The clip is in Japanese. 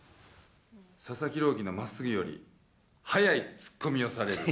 佐々木朗希のまっすぐより、速いつっこみをされる。